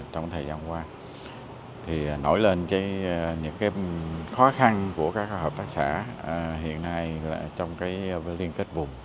trong thời gian qua nổi lên những khó khăn của các hợp tác xã hiện nay trong liên kết vùng